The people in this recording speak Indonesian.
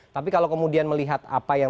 tapi kalau kemudian melihat apa yang